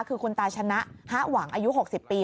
คือคุณตาชนะฮะหวังอายุ๖๐ปี